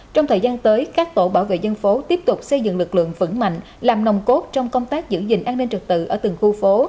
trong thời gian tới các tổ bảo vệ dân phố tiếp tục xây dựng lực lượng vững mạnh làm nồng cốt trong công tác giữ gìn an ninh trực tự ở từng khu phố